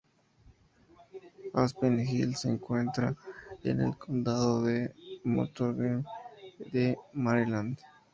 Aspen Hill se encuentra en el condado de Montgomery de Maryland.